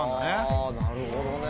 あなるほどね。